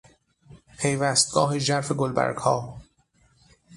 پیوستگاه ژرف گلبرگها